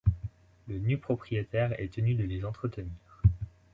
Le nu-propriétaire est tenu de les entretenir.